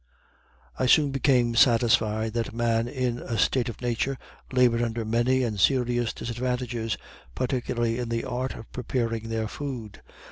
I soon become satisfied that man in a state of nature labored under many and serious disadvantages, particularly in the art of preparing their food.